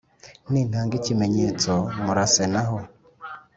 nintanga ikimenyetso murase naho